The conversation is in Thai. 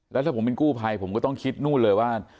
แล้วถ้าผมเป็นกู้ภัยผมก็ต้องคิดนู่นเลยว่า